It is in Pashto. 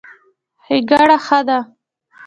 ښېګړه ښه ده.